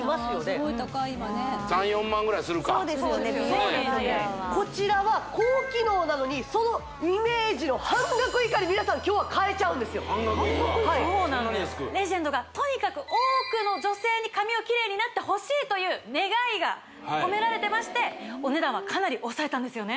すごい高い今ねそうですよね美容ドライヤーはこちらは高機能なのにそのイメージの半額以下で皆さんきょうは買えちゃうんです半額以下そんなに安くレジェンドがとにかく多くの女性に髪をキレイになってほしいという願いが込められてましてお値段はかなり抑えたんですよね